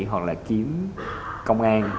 hoặc là kiếm công an